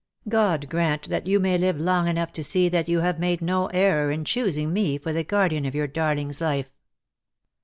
God grant that you may live long enough to see that you have made no error in choosing me for the guardian of your darling's life."